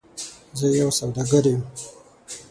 زه یو سوداګر یم .